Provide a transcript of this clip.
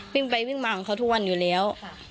วิ่งไปวิ่งมาของเขาทุกวันอยู่แล้ว